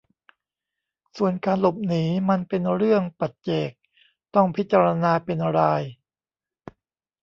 ส่วนการหลบหนีมันเป็นเรื่องปัจเจกต้องพิจารณาเป็นราย